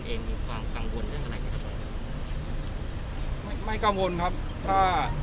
ในส่วนนี้เนี่ยคุณลุงเองมีความกังวลเรื่องอะไรอย่างนี้ครับ